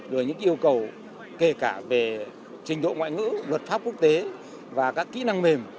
rồi những yêu cầu kể cả về trình độ ngoại ngữ luật pháp quốc tế và các kỹ năng mềm